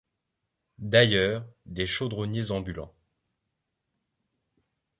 D'ailleurs, des chaudronniers ambulants.